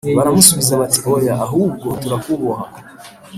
Baramusubiza bati Oya ahubwo turakuboha